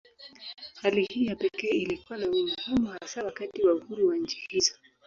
Hali hii ya pekee ilikuwa na umuhimu hasa wakati wa uhuru wa nchi hizo.